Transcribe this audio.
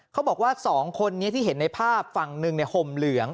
เขาบอกว่าสองคนนี้ที่เห็นในภาพฝั่งหนึ่งห่มเหลือง